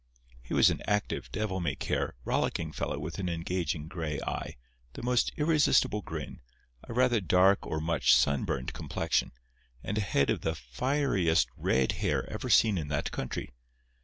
He was an active, devil may care, rollicking fellow with an engaging gray eye, the most irresistible grin, a rather dark or much sunburned complexion, and a head of the fieriest red hair ever seen in that country.